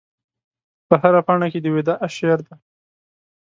په هره پاڼه کې د وداع شعر دی